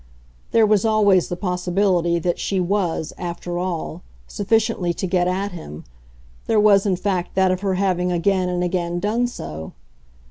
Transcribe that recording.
There was always the possibility that she WAS, after all, sufficiently to get at him there was in fact that of her having again and again done so.